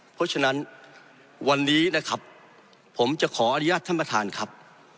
เพราะฉะนั้นวันนี้นะครับผมจะขออนุญาตท่านประธานครับ